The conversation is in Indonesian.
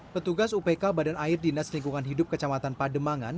petugas upk badan air dinas lingkungan hidup kecamatan pademangan